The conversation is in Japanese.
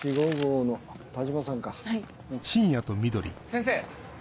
先生！